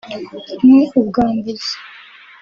nk’ubwambuzi